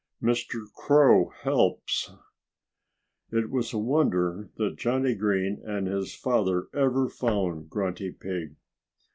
VI MR. CROW HELPS It was a wonder that Johnnie Green and his father ever found Grunty Pig.